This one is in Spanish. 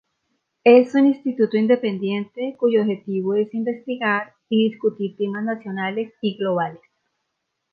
Es un instituto independiente cuyo objetivo es investigar y discutir temas nacionales y globales.